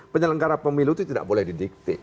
penyelenggara pemilu itu tidak boleh didikte